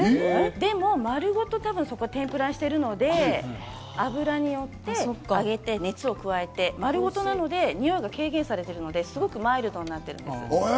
でも丸ごと天ぷらにしているので、油によって揚げて熱を加えて、丸ごとなのでにおいが軽減されているので、すごくマイルドになっています。